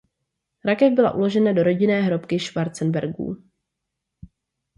Rakev byla uložena do rodinné hrobky Schwarzenbergů.